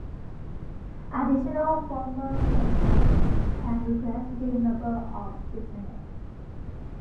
Additional former presidents can request to be member of the senate.